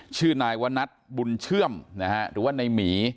ชื่อนายวนัทบุญเชื่อมนะฮะหรือว่าในหมี